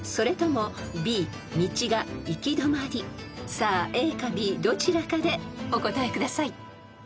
［さあＡかＢどちらかでお答えください］